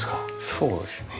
そうですね。